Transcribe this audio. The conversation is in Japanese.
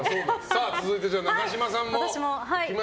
続いて、永島さん。